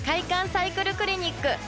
サイクルクリニック」。